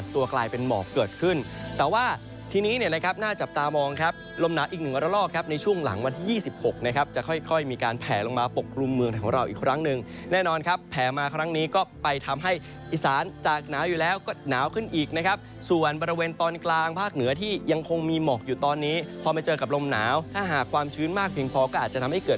แต่ว่าทีนี้นะครับหน้าจับตามองครับลมหนาอีกหนึ่งวันละรอกครับในช่วงหลังวันที่๒๖นะครับจะค่อยมีการแผลลงมาปกรุมเมืองของเราอีกครั้งหนึ่งแน่นอนครับแผลมาครั้งนี้ก็ไปทำให้อิสานจากหนาวอยู่แล้วก็หนาวขึ้นอีกนะครับส่วนบริเวณตอนกลางภาคเหนือที่ยังคงมีหมอกอยู่ตอนนี้พอไม่เจอกับลมหนาวถ้าหากความชื้